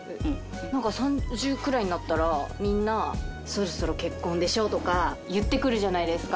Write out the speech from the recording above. なんか３０くらいになったら、みんな、そろそろ結婚でしょ？とか言ってくるじゃないですか。